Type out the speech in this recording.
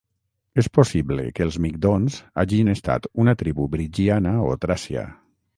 És possible que els migdons hagin estat una tribu brigiana o tràcia.